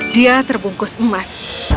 dia terbungkus emas